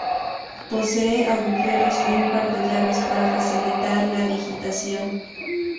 Posee agujeros y un par de llaves para facilitar la digitación.